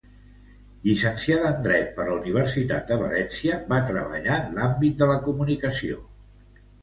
Llicenciada en Dret per la Universitat de València, va treballar en l'àmbit de la comunicació.